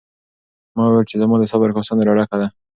ما وویل چې زما د صبر کاسه نوره ډکه ده.